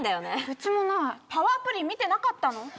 うちもない「パワー☆プリン」見てなかったの？